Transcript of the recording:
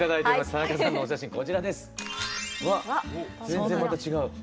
全然また違う。